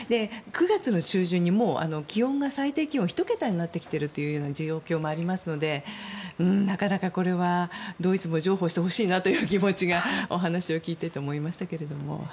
９月の初旬にもう最低気温１桁になってきているという状況もありますので、なかなかドイツも譲歩してほしいなという気持ちが、お話を聞いてて思いましたけども。